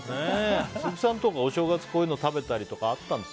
鈴木さんとかお正月こういうの食べたりとかあったんですか？